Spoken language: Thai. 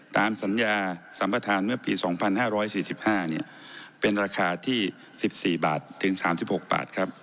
ตามสัญญาสัมประธานเมื่อปี๒๕๔๕เป็นราคาที่๑๔บาทถึง๓๖บาทครับ